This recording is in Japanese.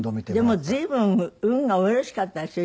でも随分運がおよろしかったでしょ